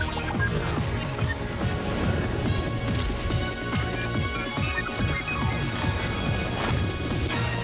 โปรดติดตามตอนต่อไป